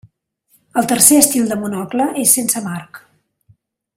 El tercer estil de monocle és sense marc.